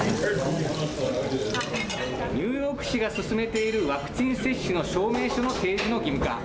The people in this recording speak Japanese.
ニューヨーク市が進めているワクチン接種の証明書の提示の義務化。